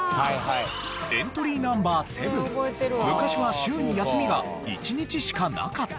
エントリーＮｏ．７昔は週に休みが１日しかなかった。